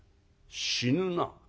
「死ぬな」。